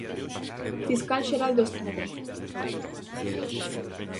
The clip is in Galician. Fiscal xeral do Estado.